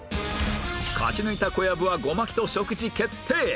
勝ち抜いた小籔はゴマキと食事決定